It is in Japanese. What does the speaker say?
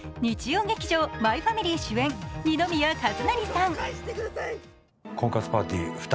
日曜劇場「マイファミリー」主演、二宮和也さん。